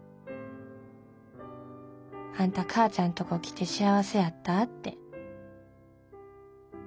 『あんたかーちゃんとこ来て幸せやった？』って」。